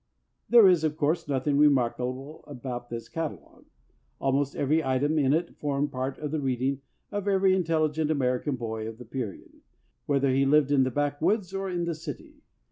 There is, of course, nothing remarkable about this catalogue. Almost every item in it formed part of the read ing of every intelligent American boy of the period, whether he lived in the backwoods or in the city.